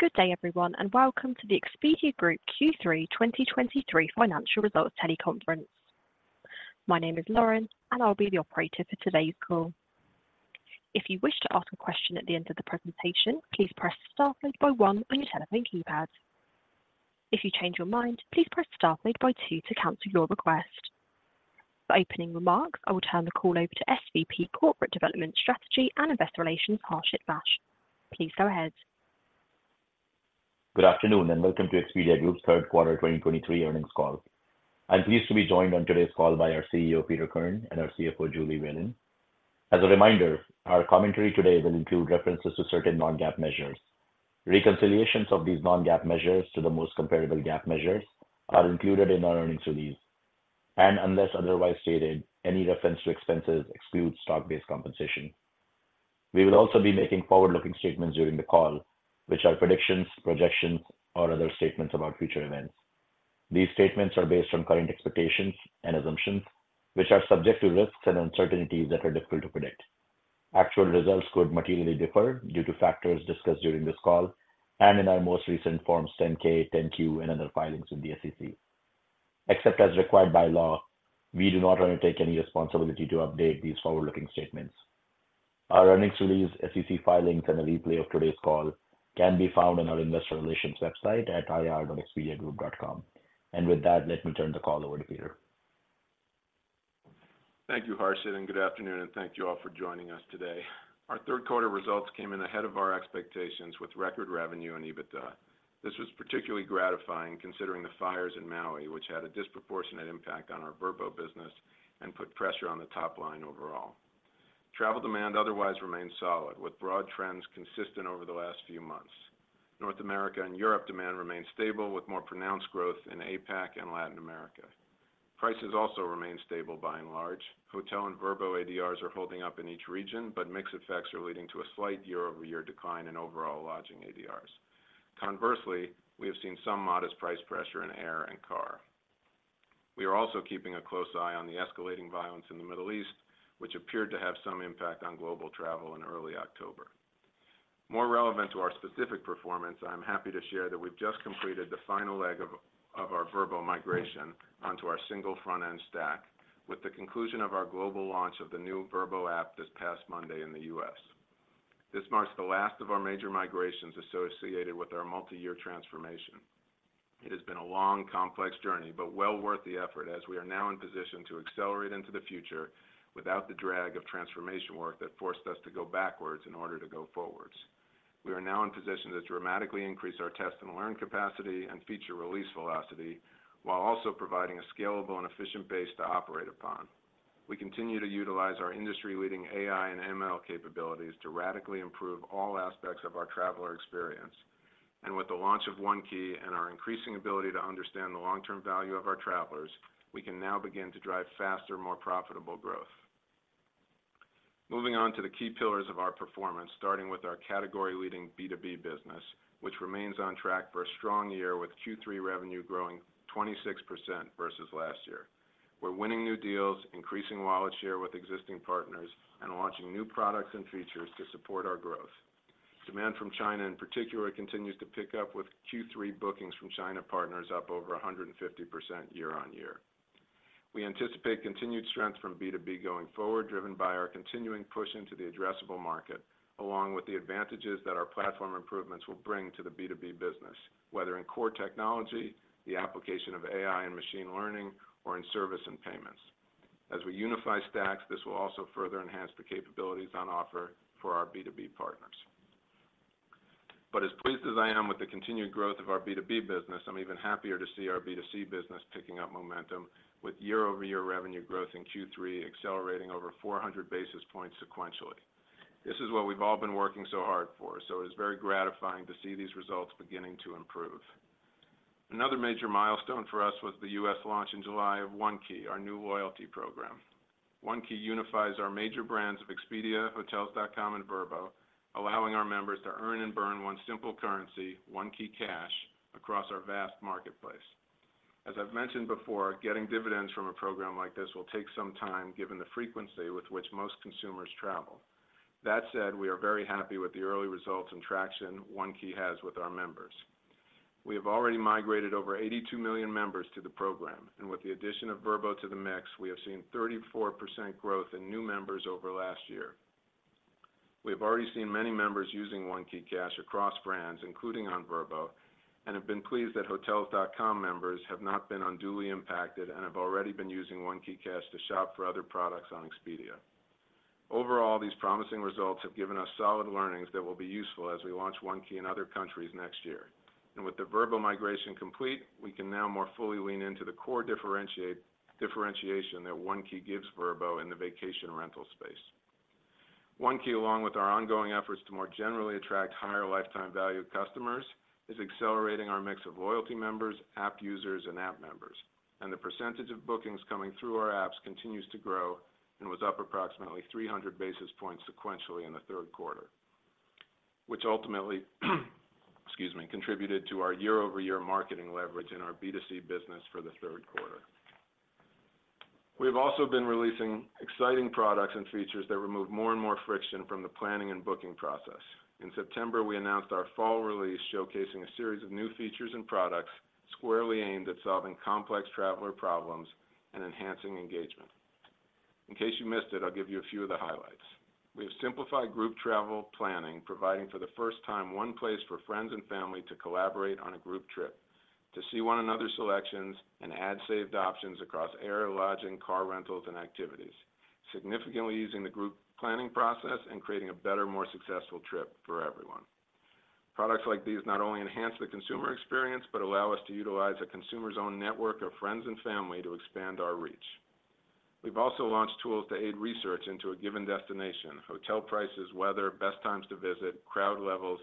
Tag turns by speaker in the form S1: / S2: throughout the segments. S1: Good day, everyone, and welcome to the Expedia Group Q3 2023 financial results teleconference. My name is Lauren, and I'll be the operator for today's call. If you wish to ask a question at the end of the presentation, please press star followed by one on your telephone keypad. If you change your mind, please press star followed by two to cancel your request. For opening remarks, I will turn the call over to SVP Corporate Development Strategy and Investor Relations, Harshit Vaish. Please go ahead.
S2: Good afternoon, and welcome to Expedia Group's third quarter 2023 earnings call. I'm pleased to be joined on today's call by our CEO, Peter Kern, and our CFO, Julie Whalen. As a reminder, our commentary today will include references to certain non-GAAP measures. Reconciliations of these non-GAAP measures to the most comparable GAAP measures are included in our earnings release. And unless otherwise stated, any reference to expenses excludes stock-based compensation. We will also be making forward-looking statements during the call, which are predictions, projections, or other statements about future events. These statements are based on current expectations and assumptions, which are subject to risks and uncertainties that are difficult to predict. Actual results could materially differ due to factors discussed during this call and in our most recent Forms 10-K, 10-Q, and other filings with the SEC. Except as required by law, we do not undertake any responsibility to update these forward-looking statements. Our earnings release, SEC filings, and a replay of today's call can be found on our Investor Relations website at ir.expediagroup.com. With that, let me turn the call over to Peter.
S3: Thank you, Harshit, and good afternoon, and thank you all for joining us today. Our third quarter results came in ahead of our expectations with record revenue and EBITDA. This was particularly gratifying considering the fires in Maui, which had a disproportionate impact on our Vrbo business and put pressure on the top line overall. Travel demand otherwise remained solid, with broad trends consistent over the last few months. North America and Europe demand remained stable, with more pronounced growth in APAC and Latin America. Prices also remained stable by and large. Hotel and Vrbo ADRs are holding up in each region, but mix effects are leading to a slight year-over-year decline in overall lodging ADRs. Conversely, we have seen some modest price pressure in air and car. We are also keeping a close eye on the escalating violence in the Middle East, which appeared to have some impact on global travel in early October. More relevant to our specific performance, I'm happy to share that we've just completed the final leg of our Vrbo migration onto our single front-end stack, with the conclusion of our global launch of the new Vrbo app this past Monday in the U.S. This marks the last of our major migrations associated with our multi-year transformation. It has been a long, complex journey, but well worth the effort as we are now in position to accelerate into the future without the drag of transformation work that forced us to go backwards in order to go forwards. We are now in position to dramatically increase our test and learn capacity and feature release velocity, while also providing a scalable and efficient base to operate upon. We continue to utilize our industry-leading AI and ML capabilities to radically improve all aspects of our traveler experience. With the launch of One Key and our increasing ability to understand the long-term value of our travelers, we can now begin to drive faster, more profitable growth. Moving on to the key pillars of our performance, starting with our category-leading B2B business, which remains on track for a strong year, with Q3 revenue growing 26% versus last year. We're winning new deals, increasing wallet share with existing partners, and launching new products and features to support our growth. Demand from China, in particular, continues to pick up, with Q3 bookings from China partners up over 150% year-on-year. We anticipate continued strength from B2B going forward, driven by our continuing push into the addressable market, along with the advantages that our platform improvements will bring to the B2B business, whether in core technology, the application of AI and machine learning, or in service and payments. As we unify stacks, this will also further enhance the capabilities on offer for our B2B partners. But as pleased as I am with the continued growth of our B2B business, I'm even happier to see our B2C business picking up momentum, with year-over-year revenue growth in Q3 accelerating over 400 basis points sequentially. This is what we've all been working so hard for, so it is very gratifying to see these results beginning to improve. Another major milestone for us was the U.S. launch in July of One Key, our new loyalty program. One Key unifies our major brands of Expedia, Hotels.com, and Vrbo, allowing our members to earn and burn one simple currency, OneKeyCash, across our vast marketplace. As I've mentioned before, getting dividends from a program like this will take some time, given the frequency with which most consumers travel. That said, we are very happy with the early results and traction One Key has with our members. We have already migrated over 82 million members to the program, and with the addition of Vrbo to the mix, we have seen 34% growth in new members over last year. We have already seen many members using OneKeyCash across brands, including on Vrbo, and have been pleased that Hotels.com members have not been unduly impacted and have already been using OneKeyCash to shop for other products on Expedia. Overall, these promising results have given us solid learnings that will be useful as we launch One Key in other countries next year. With the Vrbo migration complete, we can now more fully lean into the core differentiation that One Key gives Vrbo in the vacation rental space. One Key, along with our ongoing efforts to more generally attract higher lifetime value customers, is accelerating our mix of loyalty members, app users, and app members. The percentage of bookings coming through our apps continues to grow and was up approximately 300 basis points sequentially in the third quarter, which ultimately, excuse me, contributed to our year-over-year marketing leverage in our B2C business for the third quarter. We've also been releasing exciting products and features that remove more and more friction from the planning and booking process. In September, we announced our fall release, showcasing a series of new features and products squarely aimed at solving complex traveler problems and enhancing engagement. In case you missed it, I'll give you a few of the highlights. We have simplified group travel planning, providing for the first time, one place for friends and family to collaborate on a group trip, to see one another's selections, and add saved options across air, lodging, car rentals, and activities, significantly easing the group planning process and creating a better, more successful trip for everyone. Products like these not only enhance the consumer experience, but allow us to utilize a consumer's own network of friends and family to expand our reach. We've also launched tools to aid research into a given destination, hotel prices, weather, best times to visit, crowd levels,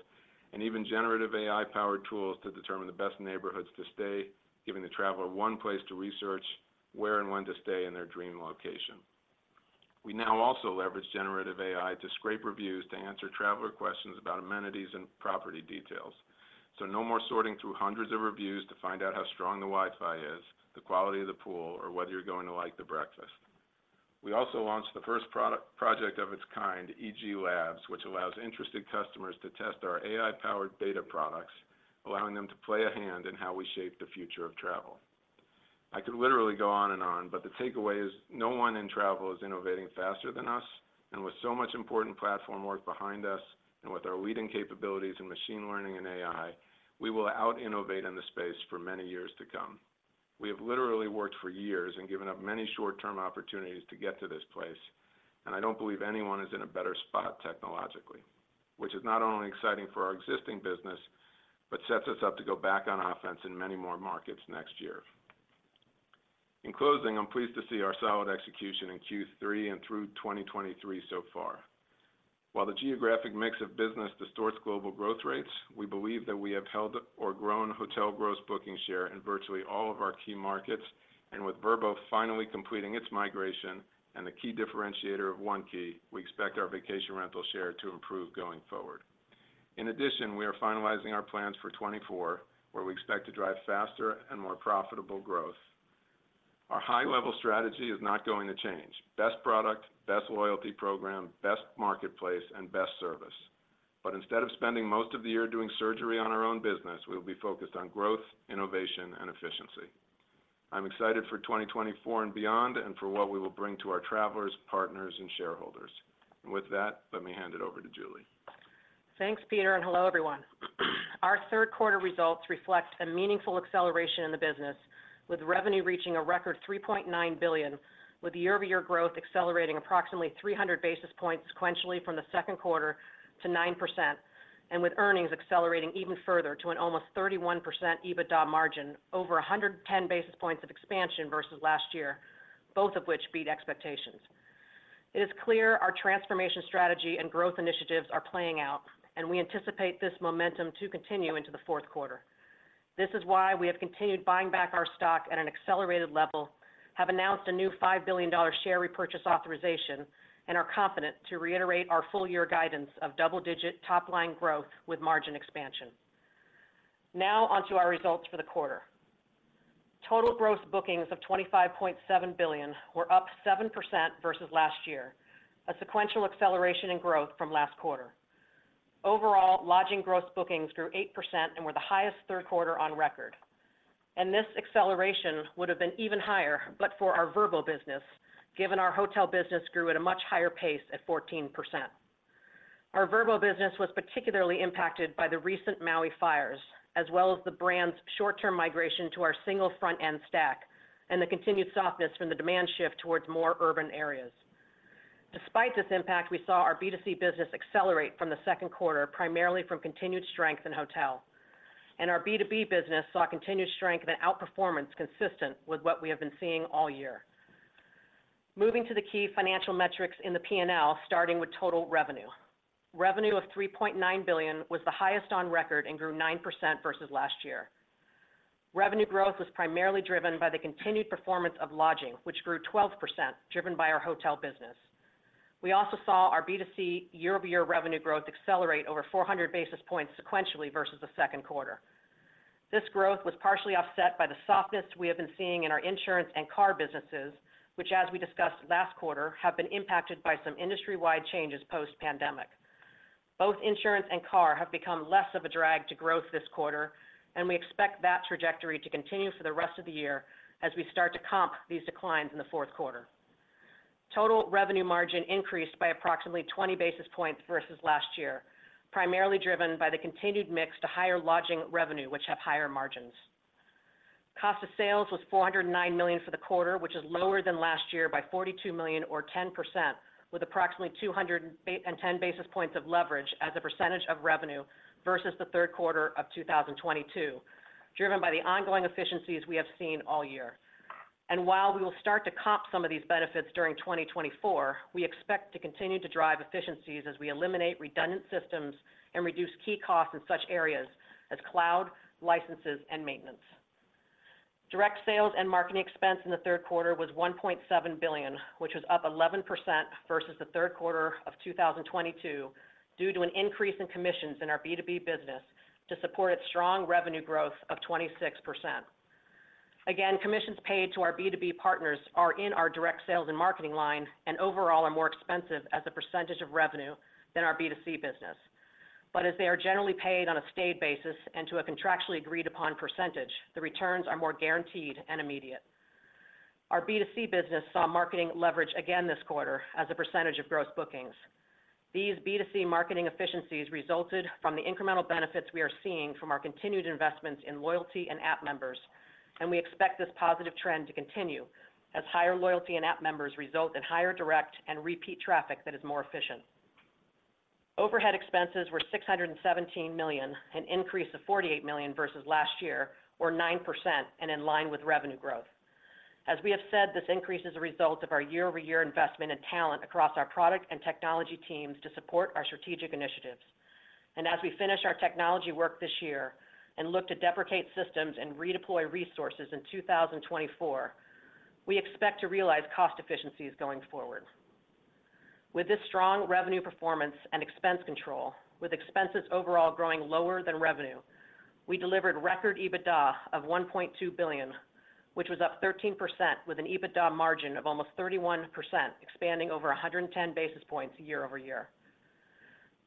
S3: and even generative AI-powered tools to determine the best neighborhoods to stay, giving the traveler one place to research where and when to stay in their dream location. We now also leverage generative AI to scrape reviews to answer traveler questions about amenities and property details. So no more sorting through hundreds of reviews to find out how strong the Wi-Fi is, the quality of the pool, or whether you're going to like the breakfast. We also launched the first product, project of its kind, EG Labs, which allows interested customers to test our AI-powered beta products, allowing them to play a hand in how we shape the future of travel. I could literally go on and on, but the takeaway is, no one in travel is innovating faster than us, and with so much important platform work behind us, and with our leading capabilities in machine learning and AI, we will out-innovate in the space for many years to come. We have literally worked for years and given up many short-term opportunities to get to this place, and I don't believe anyone is in a better spot technologically, which is not only exciting for our existing business, but sets us up to go back on offense in many more markets next year. In closing, I'm pleased to see our solid execution in Q3 and through 2023 so far. While the geographic mix of business distorts global growth rates, we believe that we have held or grown hotel gross booking share in virtually all of our key markets, and with Vrbo finally completing its migration and the key differentiator of One Key, we expect our vacation rental share to improve going forward. In addition, we are finalizing our plans for 2024, where we expect to drive faster and more profitable growth. Our high-level strategy is not going to change: best product, best loyalty program, best marketplace, and best service. But instead of spending most of the year doing surgery on our own business, we will be focused on growth, innovation, and efficiency. I'm excited for 2024 and beyond, and for what we will bring to our travelers, partners, and shareholders. And with that, let me hand it over to Julie.
S4: Thanks, Peter, and hello, everyone. Our third quarter results reflect a meaningful acceleration in the business, with revenue reaching a record $3.9 billion, with year-over-year growth accelerating approximately 300 basis points sequentially from the second quarter to 9%, and with earnings accelerating even further to an almost 31% EBITDA margin, over 110 basis points of expansion versus last year, both of which beat expectations. It is clear our transformation strategy and growth initiatives are playing out, and we anticipate this momentum to continue into the fourth quarter. This is why we have continued buying back our stock at an accelerated level, have announced a new $5 billion share repurchase authorization, and are confident to reiterate our full-year guidance of double-digit top-line growth with margin expansion. Now, onto our results for the quarter. Total gross bookings of $25.7 billion were up 7% versus last year, a sequential acceleration in growth from last quarter. Overall, lodging gross bookings grew 8% and were the highest third quarter on record. This acceleration would have been even higher, but for our Vrbo business, given our hotel business grew at a much higher pace at 14%. Our Vrbo business was particularly impacted by the recent Maui fires, as well as the brand's short-term migration to our single front-end stack and the continued softness from the demand shift towards more urban areas. Despite this impact, we saw our B2C business accelerate from the second quarter, primarily from continued strength in hotel. Our B2B business saw continued strength and outperformance consistent with what we have been seeing all year. Moving to the key financial metrics in the P&L, starting with total revenue. Revenue of $3.9 billion was the highest on record and grew 9% versus last year. Revenue growth was primarily driven by the continued performance of lodging, which grew 12%, driven by our hotel business. We also saw our B2C year-over-year revenue growth accelerate over 400 basis points sequentially versus the second quarter. This growth was partially offset by the softness we have been seeing in our insurance and car businesses, which, as we discussed last quarter, have been impacted by some industry-wide changes post-pandemic. Both insurance and car have become less of a drag to growth this quarter, and we expect that trajectory to continue for the rest of the year as we start to comp these declines in the fourth quarter. Total revenue margin increased by approximately 20 basis points versus last year, primarily driven by the continued mix to higher lodging revenue, which have higher margins. Cost of sales was $409 million for the quarter, which is lower than last year by $42 million or 10%, with approximately 210 basis points of leverage as a percentage of revenue versus the third quarter of 2022, driven by the ongoing efficiencies we have seen all year. And while we will start to comp some of these benefits during 2024, we expect to continue to drive efficiencies as we eliminate redundant systems and reduce key costs in such areas as cloud, licenses, and maintenance. Direct sales and marketing expense in the third quarter was $1.7 billion, which was up 11% versus the third quarter of 2022 due to an increase in commissions in our B2B business to support its strong revenue growth of 26%.... Again, commissions paid to our B2B partners are in our direct sales and marketing line, and overall are more expensive as a percentage of revenue than our B2C business. But as they are generally paid on a stayed basis and to a contractually agreed upon percentage, the returns are more guaranteed and immediate. Our B2C business saw marketing leverage again this quarter as a percentage of gross bookings. These B2C marketing efficiencies resulted from the incremental benefits we are seeing from our continued investments in loyalty and app members, and we expect this positive trend to continue as higher loyalty and app members result in higher direct and repeat traffic that is more efficient. Overhead expenses were $617 million, an increase of $48 million versus last year, or 9%, and in line with revenue growth. As we have said, this increase is a result of our year-over-year investment in talent across our product and technology teams to support our strategic initiatives. And as we finish our technology work this year and look to deprecate systems and redeploy resources in 2024, we expect to realize cost efficiencies going forward. With this strong revenue performance and expense control, with expenses overall growing lower than revenue, we delivered record EBITDA of $1.2 billion, which was up 13% with an EBITDA margin of almost 31%, expanding over 110 basis points year-over-year.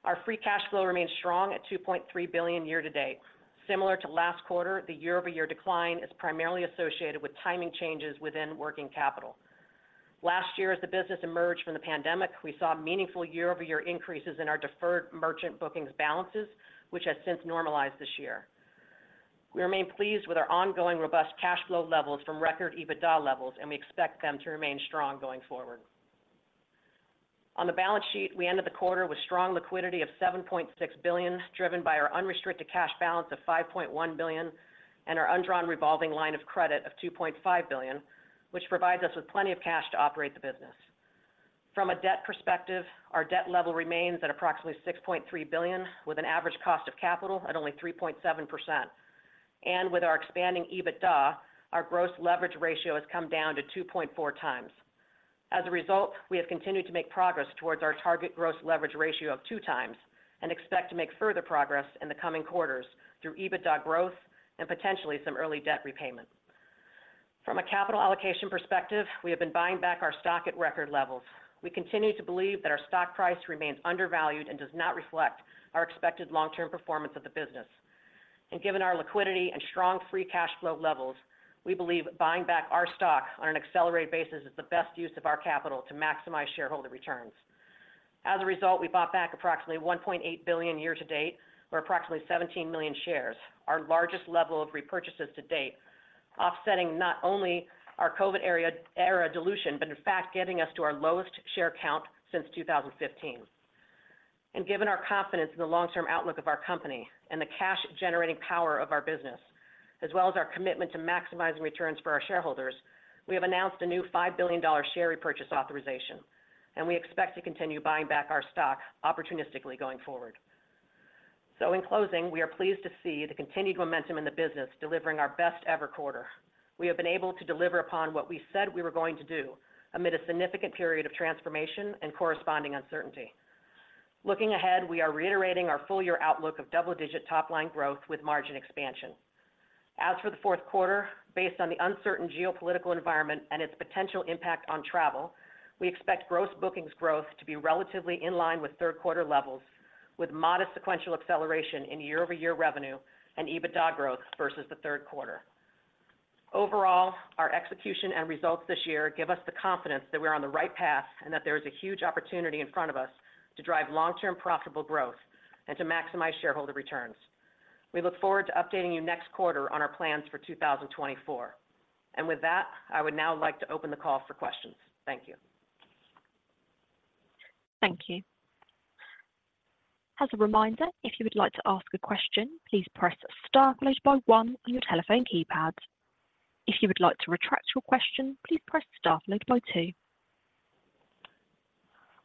S4: Our free cash flow remains strong at $2.3 billion year to date. Similar to last quarter, the year-over-year decline is primarily associated with timing changes within working capital. Last year, as the business emerged from the pandemic, we saw meaningful year-over-year increases in our deferred merchant bookings balances, which has since normalized this year. We remain pleased with our ongoing robust cash flow levels from record EBITDA levels, and we expect them to remain strong going forward. On the balance sheet, we ended the quarter with strong liquidity of $7.6 billion, driven by our unrestricted cash balance of $5.1 billion and our undrawn revolving line of credit of $2.5 billion, which provides us with plenty of cash to operate the business. From a debt perspective, our debt level remains at approximately $6.3 billion, with an average cost of capital at only 3.7%. With our expanding EBITDA, our gross leverage ratio has come down to 2.4x. As a result, we have continued to make progress towards our target gross leverage ratio of 2x, and expect to make further progress in the coming quarters through EBITDA growth and potentially some early debt repayment. From a capital allocation perspective, we have been buying back our stock at record levels. We continue to believe that our stock price remains undervalued and does not reflect our expected long-term performance of the business. Given our liquidity and strong free cash flow levels, we believe buying back our stock on an accelerated basis is the best use of our capital to maximize shareholder returns. As a result, we bought back approximately $1.8 billion year to date, or approximately 17 million shares, our largest level of repurchases to date, offsetting not only our COVID era dilution, but in fact getting us to our lowest share count since 2015. Given our confidence in the long-term outlook of our company and the cash generating power of our business, as well as our commitment to maximizing returns for our shareholders, we have announced a new $5 billion share repurchase authorization, and we expect to continue buying back our stock opportunistically going forward. In closing, we are pleased to see the continued momentum in the business delivering our best ever quarter. We have been able to deliver upon what we said we were going to do amid a significant period of transformation and corresponding uncertainty. Looking ahead, we are reiterating our full year outlook of double-digit top line growth with margin expansion. As for the fourth quarter, based on the uncertain geopolitical environment and its potential impact on travel, we expect gross bookings growth to be relatively in line with third quarter levels, with modest sequential acceleration in year-over-year revenue and EBITDA growth versus the third quarter. Overall, our execution and results this year give us the confidence that we're on the right path and that there is a huge opportunity in front of us to drive long-term profitable growth and to maximize shareholder returns. We look forward to updating you next quarter on our plans for 2024. And with that, I would now like to open the call for questions. Thank you.
S1: Thank you. As a reminder, if you would like to ask a question, please press star followed by one on your telephone keypad. If you would like to retract your question, please press star followed by two.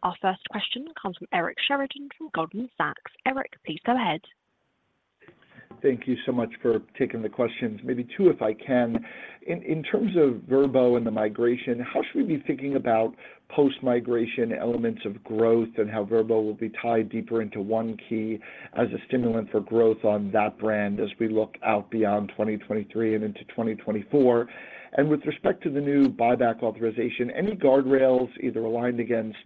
S1: Our first question comes from Eric Sheridan from Goldman Sachs. Eric, please go ahead.
S5: Thank you so much for taking the questions. Maybe two, if I can. In terms of Vrbo and the migration, how should we be thinking about post-migration elements of growth and how Vrbo will be tied deeper into One Key as a stimulant for growth on that brand as we look out beyond 2023 and into 2024? And with respect to the new buyback authorization, any guardrails either aligned against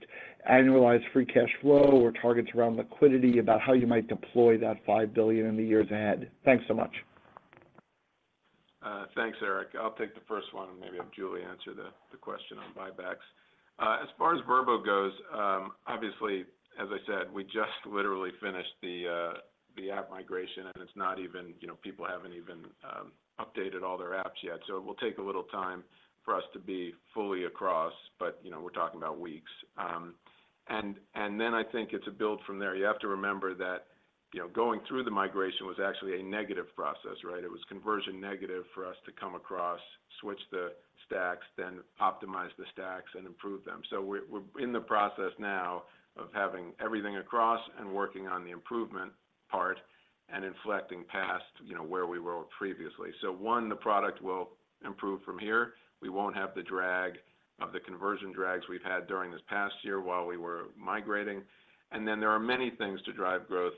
S5: annualized free cash flow or targets around liquidity, about how you might deploy that $5 billion in the years ahead? Thanks so much.
S3: Thanks, Eric. I'll take the first one and maybe have Julie answer the question on buybacks. As far as Vrbo goes, obviously, as I said, we just literally finished the app migration, and it's not even... You know, people haven't even updated all their apps yet. So it will take a little time for us to be fully across, but, you know, we're talking about weeks. And then I think it's a build from there. You have to remember that, you know, going through the migration was actually a negative process, right? It was conversion negative for us to come across, switch the stacks, then optimize the stacks and improve them. So we're in the process now of having everything across and working on the improvement part and inflecting past, you know, where we were previously. So one, the product will improve from here. We won't have the drag of the conversion drags we've had during this past year while we were migrating. And then there are many things to drive growth....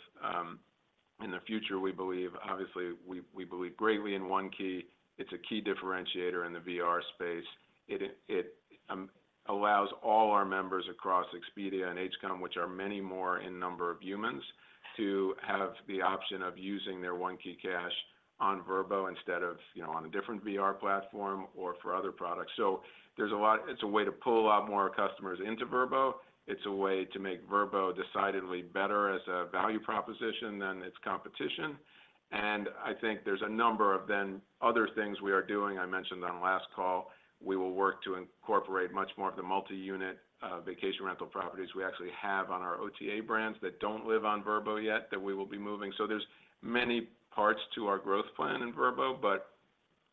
S3: in the future, we believe, obviously, we believe greatly in One Key. It's a key differentiator in the VR space. It allows all our members across Expedia and HCOM, which are many more in number of humans, to have the option of using their OneKeyCash on Vrbo instead of, you know, on a different VR platform or for other products. So there's a lot. It's a way to pull a lot more customers into Vrbo. It's a way to make Vrbo decidedly better as a value proposition than its competition. And I think there's a number of then other things we are doing. I mentioned on last call, we will work to incorporate much more of the multi-unit, vacation rental properties we actually have on our OTA brands that don't live on Vrbo yet, that we will be moving. So there's many parts to our growth plan in Vrbo, but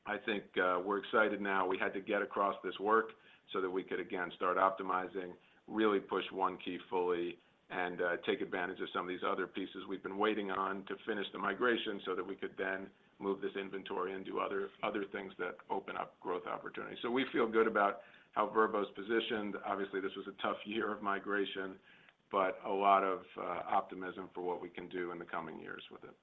S3: I think, we're excited now. We had to get across this work so that we could, again, start optimizing, really push One Key fully and, take advantage of some of these other pieces we've been waiting on to finish the migration so that we could then move this inventory into other, other things that open up growth opportunities. So we feel good about how Vrbo is positioned. Obviously, this was a tough year of migration, but a lot of, optimism for what we can do in the coming years with it.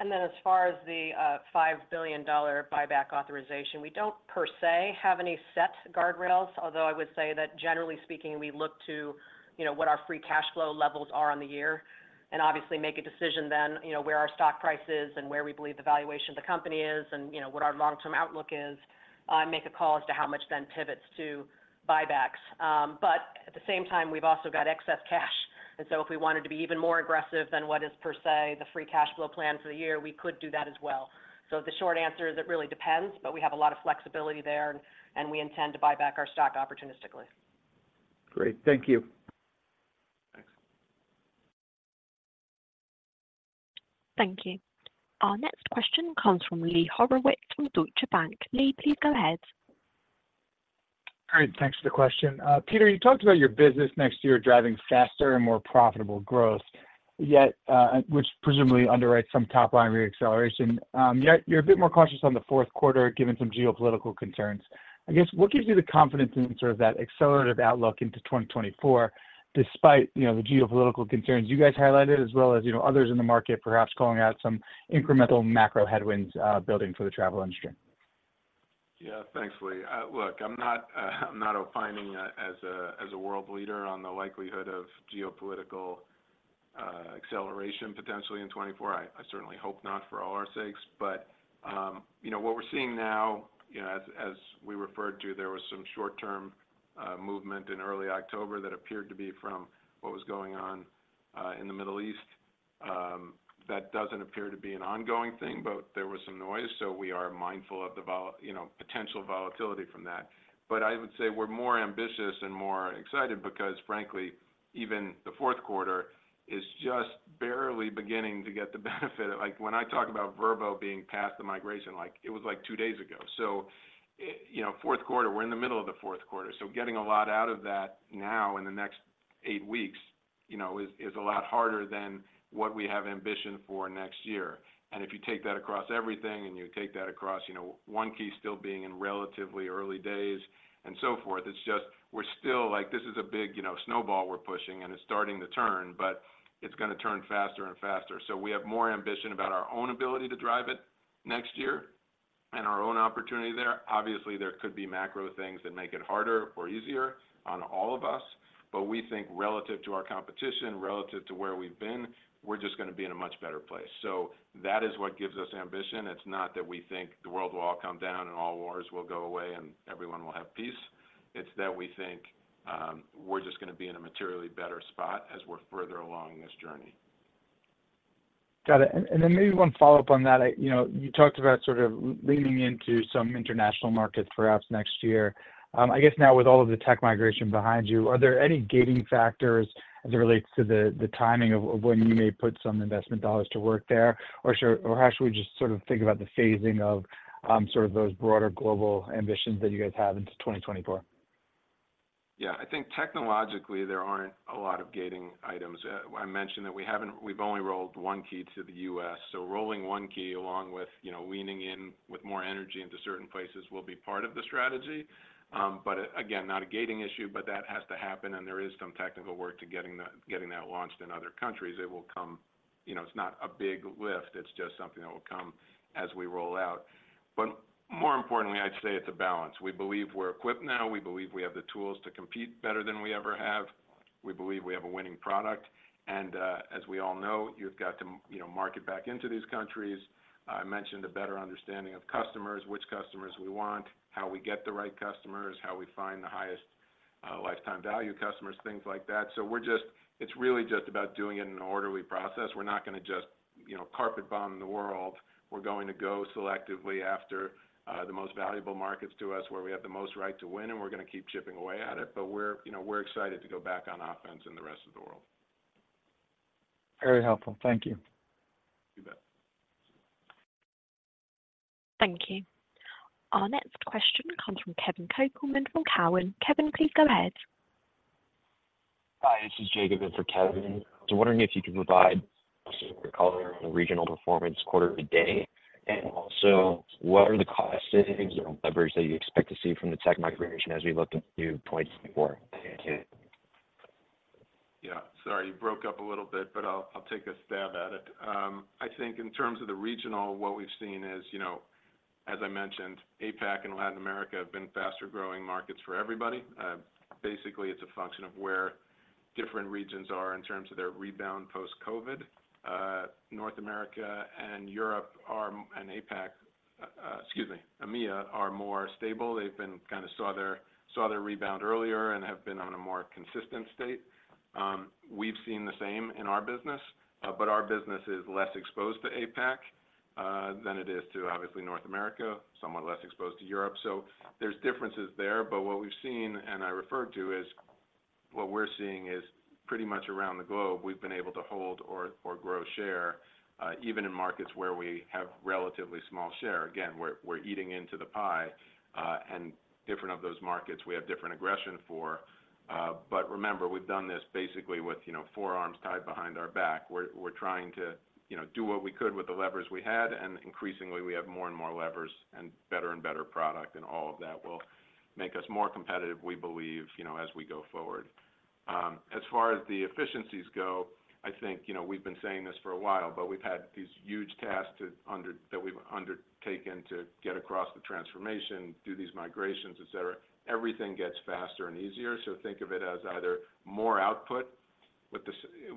S4: And then as far as the $5 billion buyback authorization, we don't per se have any set guardrails, although I would say that generally speaking, we look to, you know, what our free cash flow levels are on the year, and obviously make a decision then, you know, where our stock price is and where we believe the valuation of the company is, and, you know, what our long-term outlook is, make a call as to how much then pivots to buybacks. But at the same time, we've also got excess cash, and so if we wanted to be even more aggressive than what is per se the free cash flow plan for the year, we could do that as well. So the short answer is, it really depends, but we have a lot of flexibility there, and we intend to buy back our stock opportunistically.
S5: Great. Thank you.
S3: Thanks.
S1: Thank you. Our next question comes from Lee Horowitz from Deutsche Bank. Lee, please go ahead.
S6: All right, thanks for the question. Peter, you talked about your business next year, driving faster and more profitable growth, yet, which presumably underwrites some top line reacceleration. Yet you're a bit more cautious on the fourth quarter, given some geopolitical concerns. I guess, what gives you the confidence in sort of that accelerative outlook into 2024, despite, you know, the geopolitical concerns you guys highlighted, as well as, you know, others in the market, perhaps calling out some incremental macro headwinds, building for the travel industry?
S3: Yeah, thanks, Lee. Look, I'm not, I'm not opining as a world leader on the likelihood of geopolitical acceleration, potentially in 2024. I certainly hope not for all our sakes. But, you know, what we're seeing now, you know, as we referred to, there was some short-term movement in early October that appeared to be from what was going on in the Middle East. That doesn't appear to be an ongoing thing, but there was some noise, so we are mindful of the volatility, you know, potential volatility from that. But I would say we're more ambitious and more excited because frankly, even the fourth quarter is just barely beginning to get the benefit. Like, when I talk about Vrbo being past the migration, like, it was like two days ago. So, you know, fourth quarter, we're in the middle of the fourth quarter, so getting a lot out of that now in the next eight weeks, you know, is, is a lot harder than what we have ambition for next year. And if you take that across everything and you take that across, you know, One Key still being in relatively early days and so forth, it's just, we're still like, this is a big, you know, snowball we're pushing, and it's starting to turn, but it's gonna turn faster and faster. So we have more ambition about our own ability to drive it next year and our own opportunity there. Obviously, there could be macro things that make it harder or easier on all of us, but we think relative to our competition, relative to where we've been, we're just gonna be in a much better place. So that is what gives us ambition. It's not that we think the world will all come down and all wars will go away and everyone will have peace. It's that we think, we're just gonna be in a materially better spot as we're further along this journey.
S6: Got it. And then maybe one follow-up on that. You know, you talked about sort of leaning into some international markets, perhaps next year. I guess now with all of the tech migration behind you, are there any gating factors as it relates to the timing of when you may put some investment dollars to work there? Or should or how should we just sort of think about the phasing of sort of those broader global ambitions that you guys have into 2024?
S3: Yeah, I think technologically, there aren't a lot of gating items. I mentioned that we haven't—we've only rolled One Key to the U.S. So rolling One Key along with, you know, leaning in with more energy into certain places will be part of the strategy. But again, not a gating issue, but that has to happen, and there is some technical work to getting that launched in other countries. It will come, you know, it's not a big lift, it's just something that will come as we roll out. But more importantly, I'd say it's a balance. We believe we're equipped now. We believe we have the tools to compete better than we ever have. We believe we have a winning product, and, as we all know, you've got to, you know, market back into these countries. I mentioned a better understanding of customers, which customers we want, how we get the right customers, how we find the highest, lifetime value customers, things like that. So we're just. It's really just about doing it in an orderly process. We're not gonna just, you know, carpet bomb the world. We're going to go selectively after, the most valuable markets to us, where we have the most right to win, and we're gonna keep chipping away at it. But we're, you know, we're excited to go back on offense in the rest of the world.
S6: Very helpful. Thank you.
S3: You bet.
S1: Thank you. Our next question comes from Kevin Kopelman from Cowen. Kevin, please go ahead.
S7: Hi, this is Jacob in for Kevin. So wondering if you could provide us some color on the regional performance quarter to date, and also, what are the cost savings or leverage that you expect to see from the tech migration as we look into 2024? Thank you....
S3: Yeah, sorry, you broke up a little bit, but I'll take a stab at it. I think in terms of the regional, what we've seen is, you know, as I mentioned, APAC and Latin America have been faster growing markets for everybody. Basically, it's a function of where different regions are in terms of their rebound post-COVID. North America and Europe are, and APAC, excuse me, EMEA are more stable. They've been—kind of saw their rebound earlier and have been on a more consistent state. We've seen the same in our business, but our business is less exposed to APAC than it is to, obviously, North America, somewhat less exposed to Europe. So there's differences there. But what we've seen, and I referred to, is what we're seeing is pretty much around the globe. We've been able to hold or grow share, even in markets where we have relatively small share. Again, we're eating into the pie, and different of those markets we have different aggression for. But remember, we've done this basically with, you know, four arms tied behind our back. We're trying to, you know, do what we could with the levers we had, and increasingly, we have more and more levers and better and better product, and all of that will make us more competitive, we believe, you know, as we go forward. As far as the efficiencies go, I think, you know, we've been saying this for a while, but we've had these huge tasks that we've undertaken to get across the transformation, do these migrations, et cetera. Everything gets faster and easier, so think of it as either more output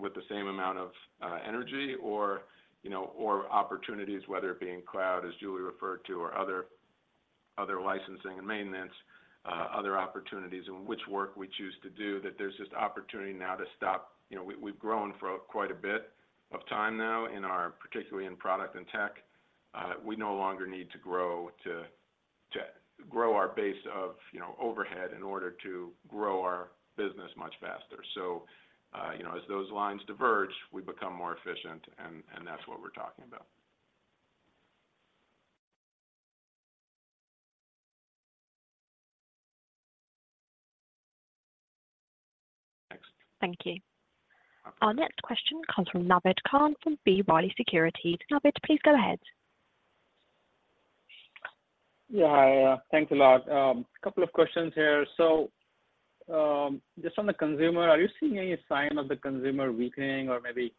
S3: with the same amount of energy or, you know, or opportunities, whether it be in cloud, as Julie referred to, or other, other licensing and maintenance, other opportunities in which work we choose to do, that there's just opportunity now to stop. You know, we, we've grown for quite a bit of time now in our, particularly in product and tech. We no longer need to grow to, to grow our base of, you know, overhead in order to grow our business much faster. You know, as those lines diverge, we become more efficient, and that's what we're talking about.
S7: Thanks.
S1: Thank you. Our next question comes from Naved Khan from B. Riley Securities. Naved, please go ahead.
S8: Yeah, hi. Thanks a lot. Couple of questions here. So, just on the consumer, are you seeing any sign of the consumer weakening or maybe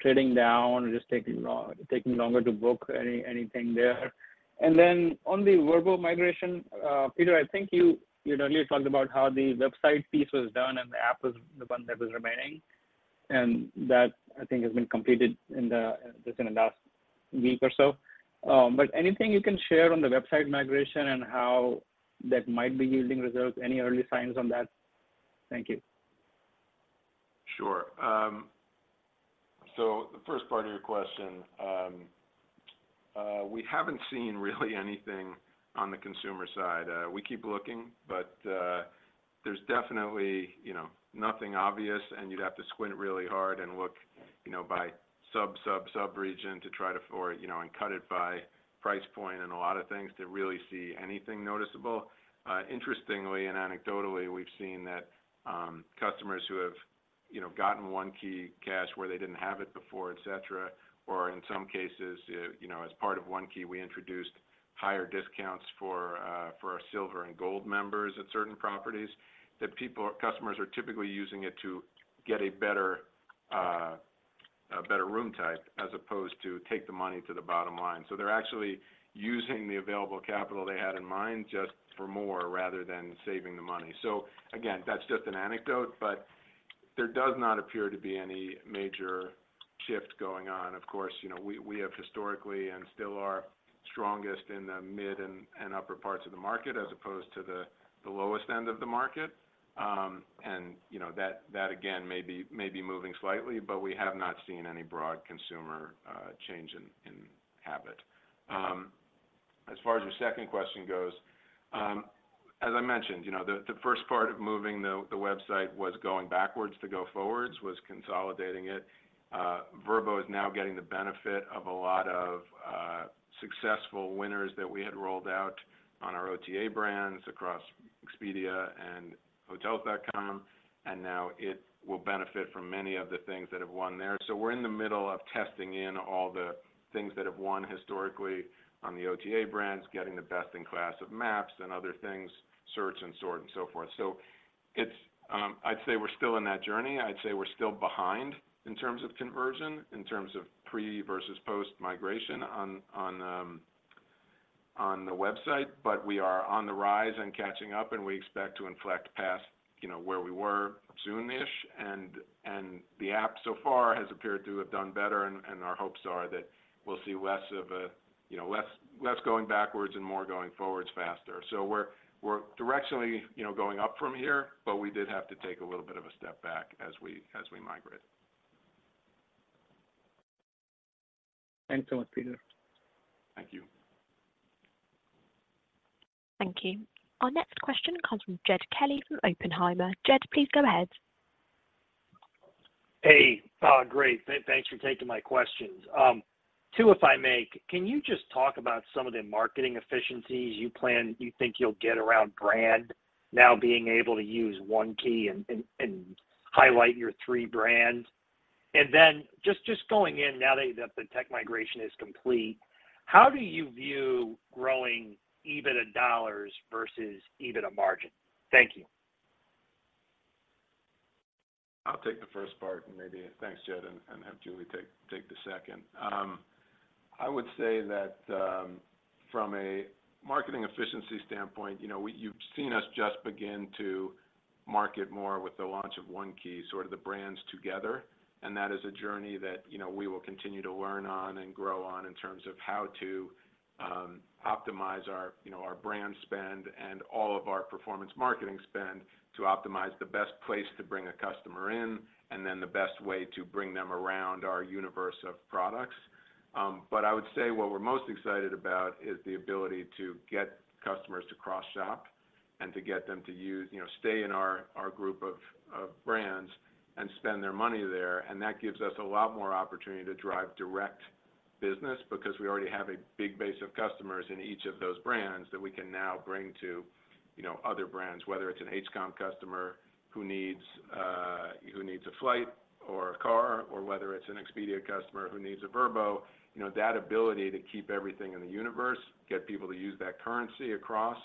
S8: trading down or just taking longer to book anything there? And then on the Vrbo migration, Peter, I think you earlier talked about how the website piece was done and the app was the one that was remaining, and that, I think, has been completed just in the last week or so. But anything you can share on the website migration and how that might be yielding results? Any early signs on that? Thank you.
S3: Sure. So the first part of your question, we haven't seen really anything on the consumer side. We keep looking, but, there's definitely, you know, nothing obvious, and you'd have to squint really hard and look, you know, by sub-sub-sub region to try to for it, you know, and cut it by price point and a lot of things to really see anything noticeable. Interestingly and anecdotally, we've seen that, customers who have, you know, gotten OneKeyCash where they didn't have it before, et cetera, or in some cases, you know, as part of One Key, we introduced higher discounts for for our Silver and Gold members at certain properties, that people or customers are typically using it to get a better, a better room type, as opposed to take the money to the bottom line. So they're actually using the available capital they had in mind just for more rather than saving the money. So again, that's just an anecdote, but there does not appear to be any major shift going on. Of course, you know, we have historically and still are strongest in the mid and upper parts of the market, as opposed to the lowest end of the market. And, you know, that again may be moving slightly, but we have not seen any broad consumer change in habit. As far as your second question goes, as I mentioned, you know, the first part of moving the website was going backwards to go forwards, was consolidating it. Vrbo is now getting the benefit of a lot of successful winners that we had rolled out on our OTA brands across Expedia and Hotels.com, and now it will benefit from many of the things that have won there. So we're in the middle of testing in all the things that have won historically on the OTA brands, getting the best in class of maps and other things, search and sort and so forth. So it's, I'd say we're still in that journey. I'd say we're still behind in terms of conversion, in terms of pre versus post-migration on the website, but we are on the rise and catching up, and we expect to inflect past, you know, where we were soon-ish, and the app so far has appeared to have done better, and our hopes are that we'll see less of a, you know, less going backwards and more going forwards faster. So we're directionally, you know, going up from here, but we did have to take a little bit of a step back as we migrate.
S8: Thanks a lot, Peter.
S3: Thank you.
S1: Thank you. Our next question comes from Jed Kelly from Oppenheimer. Jed, please go ahead.
S9: Hey, great. Thanks for taking my questions. Two, if I may. Can you just talk about some of the marketing efficiencies you plan, you think you'll get around brand now being able to use One Key and, and, and highlight your three brands?... And then, just going in now that the tech migration is complete, how do you view growing EBITDA dollars versus EBITDA margin? Thank you.
S3: I'll take the first part and maybe thanks, Jed, and have Julie take the second. I would say that, from a marketing efficiency standpoint, you know, you've seen us just begin to market more with the launch of One Key, sort of the brands together. And that is a journey that, you know, we will continue to learn on and grow on in terms of how to optimize our, you know, our brand spend and all of our performance marketing spend to optimize the best place to bring a customer in, and then the best way to bring them around our universe of products. But I would say what we're most excited about is the ability to get customers to cross-shop and to get them to use, you know, stay in our group of brands and spend their money there. And that gives us a lot more opportunity to drive direct business, because we already have a big base of customers in each of those brands that we can now bring to, you know, other brands. Whether it's an HCOM customer who needs a, who needs a flight or a car, or whether it's an Expedia customer who needs a Vrbo, you know, that ability to keep everything in the universe, get people to use that currency across.